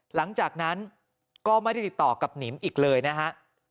หลังจากนั้นก็ไม่ได้ติดต่อกับหนิมอีกเลยนะฮะ